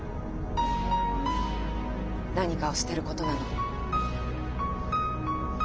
「何かを捨てること」なの。